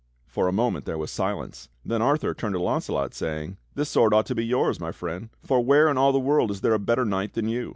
'" For a moment there was silence, then Arthur turned to Launce lot, saying; "This sword ought to be yours, my friend; for where in all the world is there a better knight than you.